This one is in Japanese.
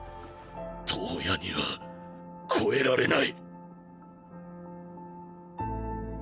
燈矢には超えられない。